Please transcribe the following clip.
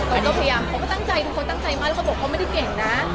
ก็ต้องพยายามทุกคนตั้งใจมากแล้วก็บอกเขาไม่ได้เก่งนะ